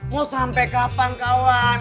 mau sampai kapan kawan